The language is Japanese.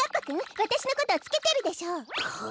わたしのことをつけてるでしょ！